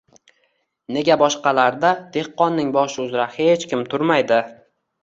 Nega boshqalarda dehqonning boshi uzra hech kim turmaydi